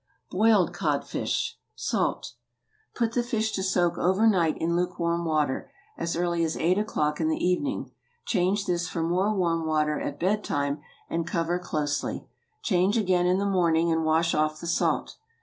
BOILED CODFISH. (Salt.) Put the fish to soak over night in lukewarm water—as early as eight o'clock in the evening. Change this for more warm water at bed time and cover closely. Change again in the morning and wash off the salt.